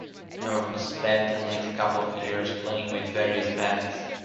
Norton spent the next couple of years playing with various bands.